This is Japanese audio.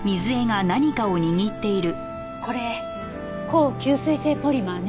これ高吸水性ポリマーね。